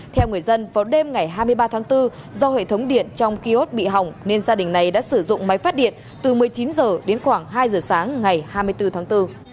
theo người dân vào đêm ngày hai mươi ba tháng bốn do hệ thống điện trong kiosk bị hỏng nên gia đình này đã sử dụng máy phát điện từ một mươi chín h đến khoảng hai giờ sáng ngày hai mươi bốn tháng bốn